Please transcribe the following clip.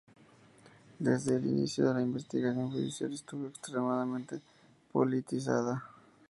Desde el inicio la investigación judicial estuvo extremadamente politizada.